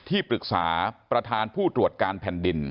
ที่ปรึกษาประธานผู้ตรวจการแผ่นดิน